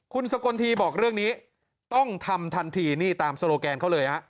คุณสกลทีบอกเรื่องนี้ต้องทำทันทีนี่ตามโซโลแกนเขาเลยฮะ